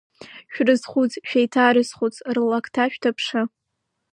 Шәрызхәыц, шәеиҭарызхәыц, рлакҭа шәҭаԥшы…